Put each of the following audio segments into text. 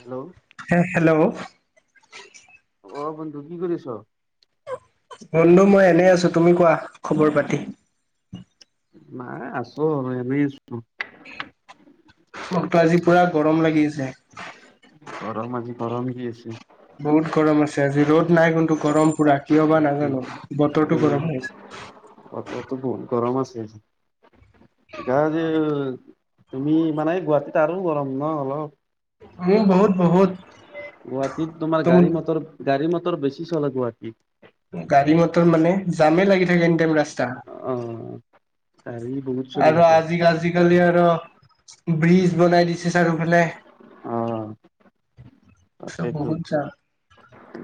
Hello হে hello অ বন্ধু কি কৰিছ বন্ধু মই এনেই আছো তুমি কোৱা খবৰ পাতি মায় আছো শুই আছো মোক ত আজি পুৰা গৰম লাগিছ দে গৰম আজি গৰম কি আছে বহুত গৰম আছে আজি ৰ'দ নাই গন্তটো গৰম পুৰা কিয় বা নাজানো বতৰটো উম গৰম হৈ হৈছে বতৰটো বহুত গৰম আছে গা যে তুমি মানে গুৱাহাটীত আৰু গৰম ন অলপ অ বহুত বহুত গুৱাহাটীত তোমাৰ তুম গাড়ী মটৰ গাড়ী ম ত বেছি চালাগিবা গাড়ী মটৰ মানে জামে লাগি থাকে এনি টাইম ৰাস্তা অ গাড়ী বহুত চলি আৰু থাকে। আজি আজিকালি আৰু ব্ৰীজ বনাই দিছে ছাৰফালে অ তাকেইতো বহুত ছাৰ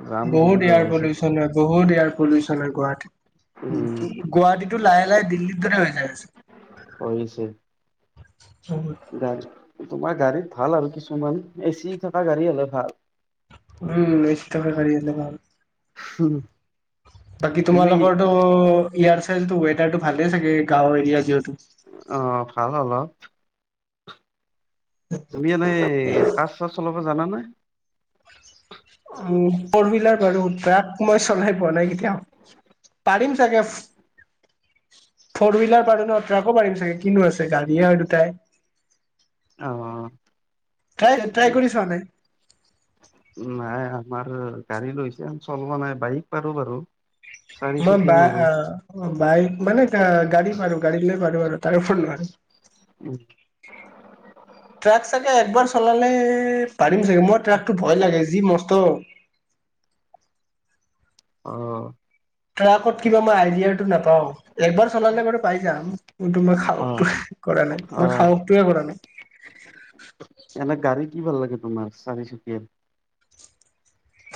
জাম বহুত ইয়াৰ হৈ আছে। পলচন হয় বহুত ইয়াৰ লচ ন গুৱাহাটী উম। উ গুৱাহাটীতো লাহে লাহে দিল্লী হৈ যায় আছে হৈছে। [unintelligible] তোমাৰ গাড়ীত ভাল আৰু কিছুমান এচি থকা গাড়ী হ'লে ভাল। উম, এ চি থকা গাড়ী আনিলে ভাল। বাকি তুমি তোমালোকৰটো ইয়াৰ চাইতো ৱেডাৰটো ভালে থাকে গাঁও এৰিয়া যিহেতু। আহ, ভাল অলপ। তুমি এনেই কাজ চাজ চলাব জানা নাই? অ। ফ'ৰ হুইলাৰ বাৰু তাত মই চলাই পোৱা নাই কেতিয়াও, পাৰিম চাগে, ফৰ হুইলাৰ পাৰো ন ট্ৰাকো পাৰিম চাগে কিনো আছে গাড়ীয়ে আৰু দুটাই অ। ট্ৰাই, ট্ৰাই উম, কৰিছ নাই? নাই আমাৰ গাড়ী লৈছে, চলোৱা নাই বাইক পাৰো বাৰু। ম চাৰিচকীয়া বা নোৱাৰো অ অ বাইক মানে আহ, গাড়ী পাৰো, গাড়ী ল পাৰো আৰু তাৰপৰত ন উম, [inaudible] ট্ৰাক চাগে একবাৰ চলালে পাৰিম চাগৈ মোৰ ট্ৰাকটো ভয় লাগে, যি মস্ত অ। ট্ৰাকত কিবা মই আইডিয়াটো নাপাওঁ, একবাৰ চলালে ব পাই যাম, কিন্তু মই অ সাহসে কৰা নাই অ মই সাহসটোৱে কৰা নাই। এনে গাড়ী কি ভাল লাগে তোমাৰ চাৰি চুকীয়াৰ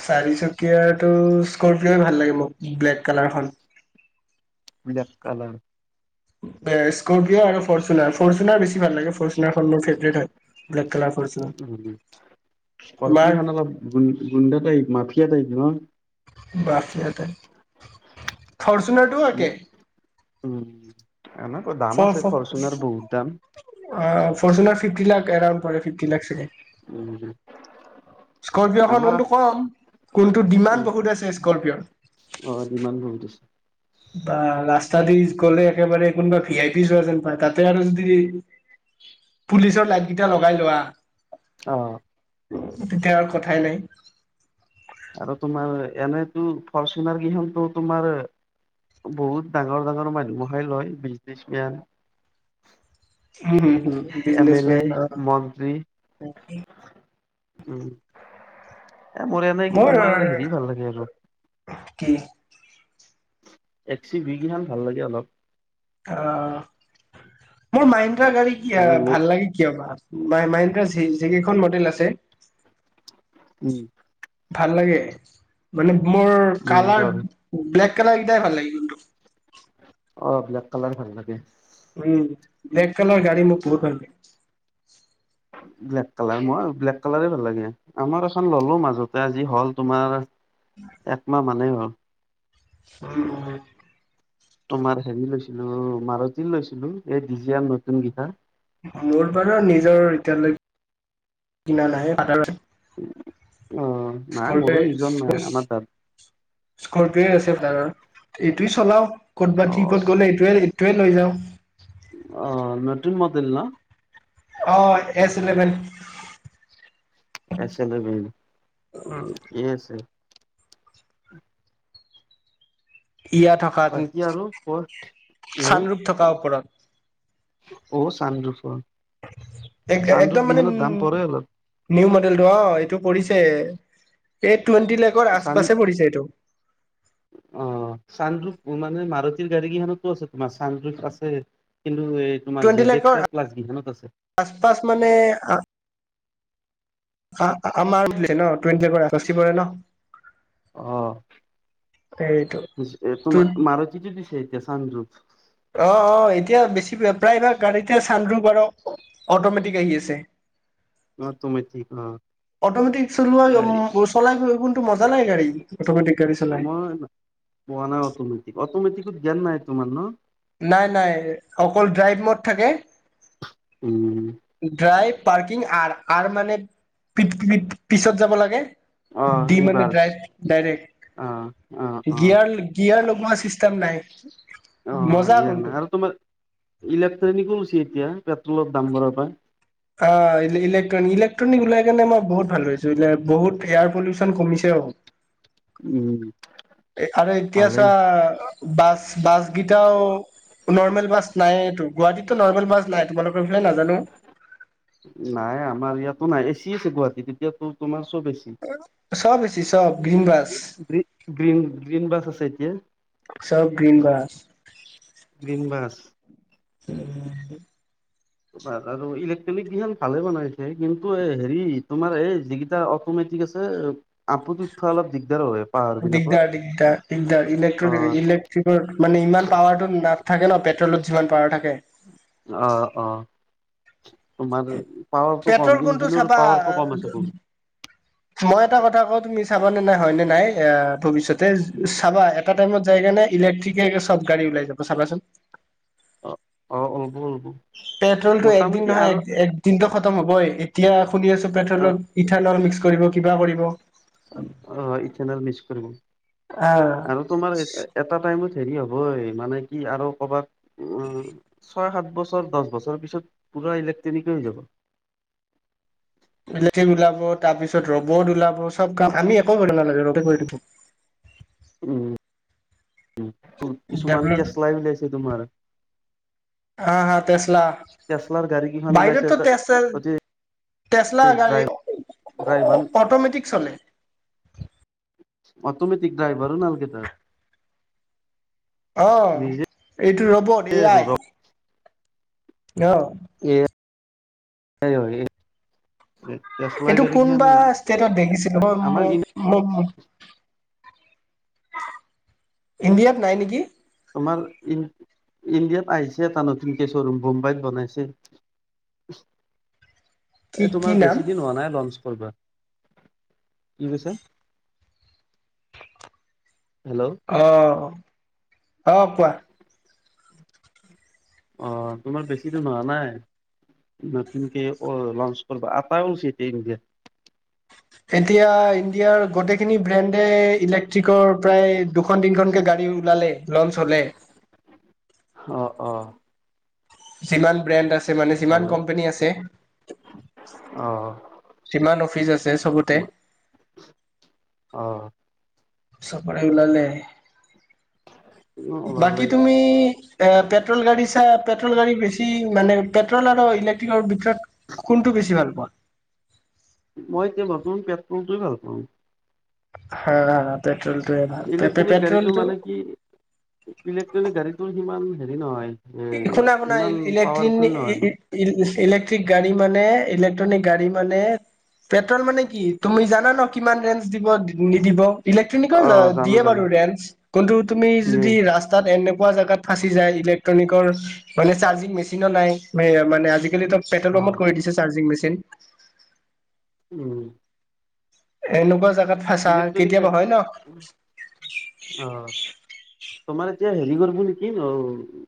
চাৰিচকীয়টো স্কপিঅ'য়ে ভাল লাগে মোক ব্লেক কালাৰখন। Black colour. স্কপিঅ আৰু ফৰ্চুনাৰ ফৰ্চুনাৰ বেছি ভাল লাগে, ফৰ্চুনাৰ মোৰ ফেভৰেট হয়। ব্লেক কালাৰ ফৰ্চুনাৰ তোমাৰ স্কৰ্পিঅ' খন অলপ গু গুণ্ডা type, mafia type. Hello. Mafia type. ফৰ্চুনাৰটো একে। উম। এনেকৈ দাম ফৰ আছে ফৰ ফৰচুনাৰ বহুত দাম। ফৰ্চুনাৰ ফিফতি লাখ এৰাউণ্ড পৰে ফিফতি লাখ চাগে। উম স্কপিঅ'খন আমাৰ কোনটো কম, কোনটো ডিমাণ্ড উম, বহুত আছে স্কপিঅৰ। অ ডিমাণ্ড বহুত আছে বা ৰাস্তা দি গলে একেবাৰে কোনোবা ভি আই পি চোৱা যেন পায় তাতে আৰু যদি পুলিচৰ লাইট কেইটা লগাই লোৱা অঁ তেতিয়া আৰু কথাই নাই আৰু তোমাৰ এনেইতো ফৰচুনাৰ কেইখনতো তোমাৰ বহুত ডাঙৰ ডাঙৰ মানুহহে লয় বিছমেন উম হম বিজনেচমেন অঁ মন্ত্ৰী উম এ মোৰয়া নাই কি তোমাৰ হেৰি ভাল লাগে আৰু কি এক চি বিগেইখনান ভাল লাগে অলপ অঁ মোৰ মাইণ্ডাৰ গাড়ী কি এনে ল ভাল লাগে কিয় বা মাই মাইনা যিকেইখন মডেল আছে উম ভাল লাগে মানে মোৰ কালাৰ মহেন্দ্ৰৰ ব্লেক কালাৰ একেইটাই ভাল লাগে কিন্তটো অঁ ব্লেক কালাৰ ভাল লোগি উম নেকেলৰ গাড়ী মই পে ব্লেক কালাৰ মই ব্লেক কালাৰ ভাল লাগে আমাৰ এখন ললো মাজতে আজি হল তোমাৰ একমাহ মান হয় অঁ আহ অঁ তোমাৰ হেৰি লৈছিলো মাৰুতি লৈছিলো এই ডিজিয়াৰ নতুন গিঠা মোৰ বাৰু নিজৰ এতিয়ালৈকে কিনা নাহে অ নাই মোৰো নিজৰ নাই আমাৰ তাত স্কপি অঁ আছো এইটোই চলাও অ ক'তবাত কি গ'লে এইটোৱে তোৱে লৈ যাওঁ অঁ নতুন মডেল ন অঁ এছ ইলেভেন এছে কি আছে ইয়া থকা বাকী আৰু ক উম চানৰূপ থকাৰ ওপৰত অ চানৰূপ একদম মানে পৰে অলপ নিউ মান অ এইটো পৰিছে এই টুৱেণ্টি লেখৰ আছ চান পাছে পৰিছে এইটো। অ চানদ্ৰোফ মানে মাৰুতিৰ গাড়ী কেইখনতো আছে তোমাৰ চেদ্ৰফ আছে কিন্তু এই তোমাৰ টুৱেণ্টি জেড এক্স লেখৰ আৰ প্লাছ গিখনত আছে আচ পাছ মানে আমাৰ টিযেট পৰে ন অ এইটো ত তোমাৰ মাৰুতিটো দিছে এতিয়া কামৰূপ অ অ এতিয়া বেছি প্ৰায়ভাগ গাড়ীতে চান্দো বাৰ অটমেটিক আহি আছে। অটমেটিক অ অটমেটিক চলোৱা গাড়ী উ চলাই চলায় গাড়ী অটমেটিক গাড়ী চলায় মই এইটো জ্ঞান নাই তোমাৰ ন নাই নাই অকল ড্ৰাইভ মড থাকে উম ড্ৰাইভ পাৰকিং মানে আৰু মানেপিছত যাব লাগে অ দি মানে ৰিভাৰ্চ অ অ ডাইৰেক্ট অ গিয়াৰ গিয়াৰ লগত ভৰা চিষ্টেম নাই অ মজা গেযেন কোনটো আৰু তোমাৰ ইলেক্ট্ৰনিক চো এতিয়া পেট্ৰলৰ দাম বঢ়া পায় অ ইলেকট্ৰনিক ইলেক্ট্ৰনিক ওলাই কাৰনে মই বহুত ভাল ওলাই বহুত এয়াৰ পলিউচন কমিছে হ উম এফালে এতিয়া ভালেই চা বাছ বাছ কেইটাও নৰমেল বাছ নাই গুৱাহাটীততো নৰ্ৰমেল বাছ নাই তোমালোকৰ বিষয়ে নাজানো। নাই আমাৰ ইয়াতো নাই এ চি আছে গুৱাহাটীত এতিয়াতো তোমাৰ চব এ চি। চব চব গ্ৰীণ ব্ৰাছ গি গ্ৰীন গ্ৰীন বাছ আছে এতিয়া। চব গ্ৰীণ বাছ গ্ৰীন বাছ উ আৰু ইলেক্ট্ৰনিক কেইখন ভালে বনাইছে কিন্তু এই হেৰি তোমাৰ এই যিকেইটা অটমেটিক আছে আতমেটিক উ থোৱা অলপ দিগদাৰ হয় পাহাৰ বিলাকত দিগদাৰ দিগদাৰ দিগদাৰ ইলেক্ট্ৰ অ', ইলেক্ট্ৰিক মানে ইমান পাৱাৰটো না থাকে ন পেট্ৰলত অ অ। তোমাৰ পাৱাৰটো কম পেট্ৰল কোনটো ইঞ্জিনৰ চাবা পাৱাৰটো কম আছে বহুত। মই এটা কথা কওঁ তুমি চাব নে নাই হয় নে নাই ভৱিষ্যতে চাবা এটা টাইমত যায় কেনে ইলেক্ট্ৰিকে চব গাড়ী উলাই যাব চাবাচোন অ অ উব উব পেট্ৰলটো একদিন নহয় এক এক দিনটো দাম হ'বই এতিয়া শুনি আছো অ', পেট্টলত মিঠাইন অইল মিক্স কৰিব কিবা কৰিব অ মিঠাইন অইল মিক্স কৰিব আহ আৰু তোমাৰ এটা টাইমত হেৰি হ'বই মানে কি আৰু ক'ৰবাত। উম ছয় সাত বছৰ দহ বছৰ পিছত পুৰা ইলেক্ট্ৰনিকেই হৈ যাব লে ওলাব তাৰপিছত ৰবত ওলাব চব কাম আমি একো কৰিব নালাগে ৰবতে কৰি দিব উম উ কিছুমান ডেভলপ তেচলাই উলিয়াইছে তোমাৰ তেচলা টেচলাৰ গাড়ী কেইখন ওলাইছে বাহিৰততো এটা তেচ অতি তেচলা গাড়ী ড্ৰাই ড্ৰাইভাৰ অট'মেটিক চলে অটমেটিক ড্ৰাইভাৰো নালগে তাত অ নিজে এইটো ৰবট এ আৰু আই অ এ [unintelligible] এইটো কোনবা ষ্টেটত দেখিছিলো ম আমাৰ ইণ্ডিয়াত নাই নেকি তোমাৰ ইণ্ডিয়াত আহিছে এটা নতুন কেচৰুৰুম বম্বাইত বনাইছে কি এই কি তোমাৰ নাম বেছি দিন হোৱা নাই লঞ্চ হৈ যোৱা কি কৈছে অ অ কোৱা অ তোমাৰ বেছি দিন হোৱা নাই নতুনকে অ লঞ্চ কৰিবা আটাই ল এতিক এতিয়া ইণ্ডিয়াৰ গোটেইখিনি ব্ৰেণ্ ইলেক্ট্ৰিকৰ প্ৰায় দুখন তিনখনকে গাড়ী ওলালে লঞ্চ হ'লে অ অ যিমান ব্ৰেণ্ড আছে মানে সিমান ভালে কোম্পানী আছে অ সিমান অফিচ আছে চবতে অ চবৰে সমানে ওলালে বাকী তুমি এ পেট্ৰল গাড়ী চা পেট্ৰল গাড়ী বেছি মানে পেট্ৰল আৰু ইলেক্ট্ৰিকৰ ভিতৰত কোনটো বেছি ভাল পোৱা। মই এতিয়া ভাল পো পেট্ৰলটোে ভাল পাওঁ। হা পেট্ৰল। ইলেক্ট্ৰনিক গাড়ীতো মানে কি ইলেকট্ৰনিক গাড়ীতটো সিমান। হেৰি নহয়। এ শুনা শুনা ইমান ইলেক্ট্ৰন। পাৱাৰফুল নহয় মানে। ইলেক্ট্ৰিক গাড়ী মানে ইলেক্ট্ৰনিক গাড়ী মানে পেট্ৰল মানে কি তুমি জানা ন কিমান ৰেঞ্জ দিব নিদিব। ইলে্ট্ৰনিক অ জানো দিয়ে জানো বাৰু ৰেঞ্চ কিন্তু তুমি দিয়ে য ৰাস্তাত। কোৱা জগাত ফাঁচি যায় ইলেগ। মানে চ্ মেচিন নাইে। অ পে্ৰলমত কৰি দি চাৰ্জিংেচিন। তেন উম এনেকুৱা জাগাত। ফাচা ইলেক্ট্ৰনিক কেতিয়াবা গাড়ী হয় ন। অ তোমাৰ এতিয়া হেৰি কৰিব নেকি ন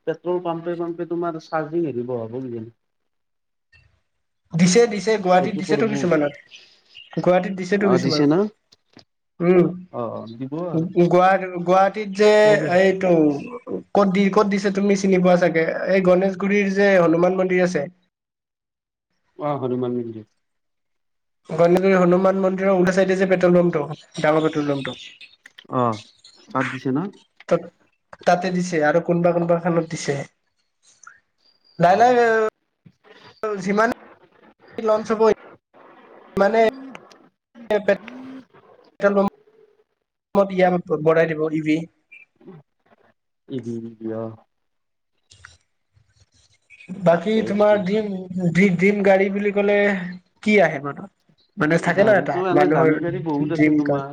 পেট্ৰল পাম্পে পাম্প তোমাৰ চাৰ্জিং হেৰি বহাব নি। দিছে দিছে গুৱাহাটীত দিছেতো কিছুমানত গুৱাহাটীত দিছেতো অ দিছে না কিছুমানত উম। অ দিব আৰু। গুৱাহাটী। টিত যে চবেই এইটো। ক'ত দি ক'ত দিছে তুমি চিনি পোৱা চাগে এই গনেশগুৰিৰ যে হনুমান মন্দিৰ আছে। অ হনুমান মন্দিৰ। গণ হনুমান মন্দিৰ। উওলটা চাইড যে পেট্ৰল পামটো ডাঙৰ পেট্ৰল পামটো অ তাত দিছে ন? ত। তাতে দিছে আৰু কোনবা কোনবা খানত দিছে। অ কাইলে। আৰু যিমান। [inaudible] লঞ্চ হ'বই। [unintelligible] [inaudible] [unintelligible] দিয়া বঢ়াই দিব ই ভি। ইভিনিং দিয়। বাকী তাকেইতো তোমাৰ দিম দিম। ডিম গাড়ী বুলি ক'লে কি আহে মানুহ। মানে থাকে ন এটা গাড়ীতো এনে দামী মানুহৰ গাড়ী বহুত আছে ডিম তোমাৰ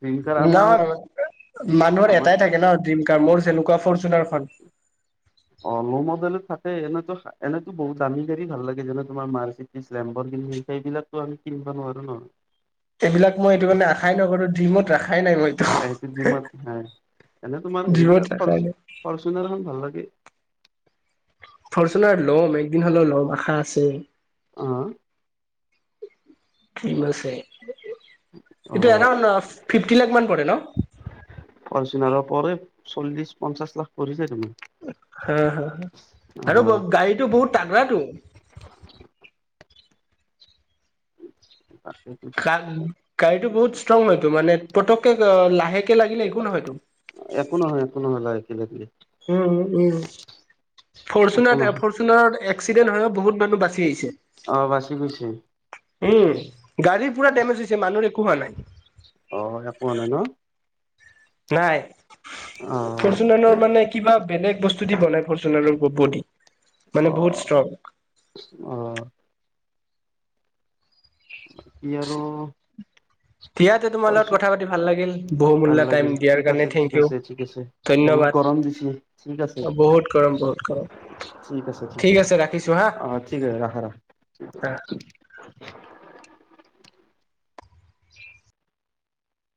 ড্ৰিংকাৰ আমাৰ নহয় মানুহৰ আমাৰ এটাই থাকে ন। ডিম কাৰ মোৰ যেনেকুৱা ফৰচুনাৰখন অ ল' মডেলত থাকে এনেতো এনেতো বহু দামী গাড়ী ভাল লাগে যেনে তোমাৰ মাৰ্চিটি লেমৰ সেইবিলাকো আমি কিনিব নোৱাৰো ন। এইবিলাক মই এইটো কাৰণে আশাই নকৰোঁ ধিমত। এইটো জিমৰ এনে তোমাৰ ড্ৰিমত হেৰিবিলাক ৰখাই নাই ফৰচুনাৰখন ভাল লাগে। ফৰ্চুনাৰ ল'ম একদিন হ'লেও ল'ম আশা আছে। অ ফেইম আছে। অ এইটো এৰাউণ্ড ফিফটি লাখ মান পৰে ন। ফৰচুনাৰৰ পৰে চল্লিশ পঞ্চাশ লাখ পৰিছে। তোমাৰ হা হা আৰু গাড়ীটো বহুত তাগৰাটো অঁ গা গাড়ীটো বহুত ষ্ট্ৰং হয়তো মানে পতকে লাহেকে লাগিলে একো নহয়তো। একো নহয় একো নহয় লাগে খ লিলি উম উম একো ফৰ্চুনাৰ নহয় ফৰচুনাৰত এক্সিডেণ্ট হৈও ন বহুত মানুহ বাচি আহিছে। আহ বাচি কৈছে উম গাড়ী পুৰা ডমেজ হৈছে মুহে- কোৱা নাই অ একোৱা নাই ন নাই অ পৰচোনৰ মানে কিবা বেলেগ বস্তু দি বনাই ফৰ্চুনেলৰব দি মানে অ বহুত ষ্ট্ৰং অ বাকী আৰু দিয়াতে তোমাৰ লগত কৰিছো কথা পাতি ভাল লাগিল ভাল বহুমূল্যা টাইম লাগিল দিয়াৰ ঠিক কাৰণে আছে ঠিক থেংক ইউ আছে ঠিক আছে বহুত গৰম দিছে ঠিক আছে ধন্যবাদ অ বহুত কৰম বহুত গৰমৰ ঠিক আছে ৰাখিছো হা অ ঠিক আছে ৰাখা ৰাখা হা